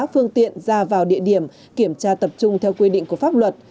phương tiện ra vào địa điểm kiểm tra tập trung theo quy định của pháp luật